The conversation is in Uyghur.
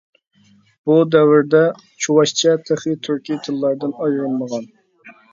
بۇ دەۋردە چۇۋاشچە تېخى تۈركىي تىللاردىن ئايرىلمىغان.